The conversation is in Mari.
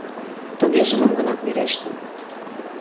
Тугеже мом-гынат верештын.